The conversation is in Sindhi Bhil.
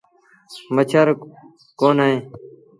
مڇر ڪوند هوئيݩ۔